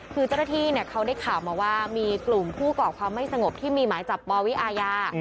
คือเจ้าหน้าที่เขาได้ข่าวมาว่ามีกลุ่มผู้ก่อความไม่สงบที่มีหมายจับปวิอาญา